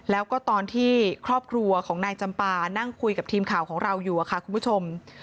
แล้วก็ตอนที่ครอบครัวของนายจำปานั่งคุยกับทีมข่าวของเราอยู่ค่ะคุณผู้ชม